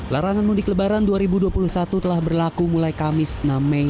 larangan mudik lebaran dua ribu dua puluh satu telah berlaku mulai kamis enam mei